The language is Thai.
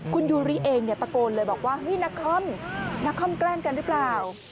คุณยูริเองตะโกนเลยบอกว่าเฮ้ยนักคอมนักคอมแกล้งกันหรือเปล่า